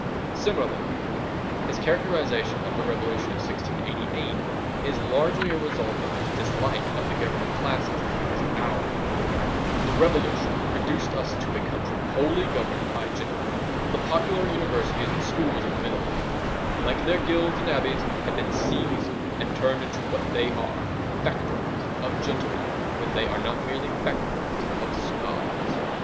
Similarly, his characterization of the Revolution of 1688 is largely a result of his dislike of the governing classes at the present hour:— The Revolution reduced us to a country wholly governed by gentlemen; the popular universities and schools of the Middle Ages, like their guilds and abbeys, had been seized and turned into what they are—factories of gentlemen when they are not merely factories of snobs.